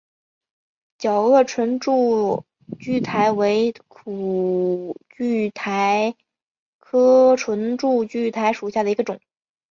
角萼唇柱苣苔为苦苣苔科唇柱苣苔属下的一个种。